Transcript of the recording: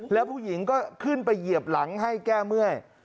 แล้วผู้หญิงก็ขึ้นไปเหยียบหลังให้แก้เมื่อย